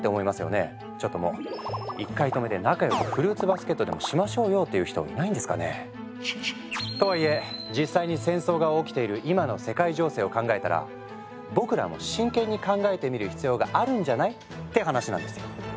ちょっともう「１回止めて仲よくフルーツバスケットでもしましょうよ」って言う人いないんですかね？とはいえ実際に戦争が起きている今の世界情勢を考えたら「僕らも真剣に考えてみる必要があるんじゃない？」って話なんですよ。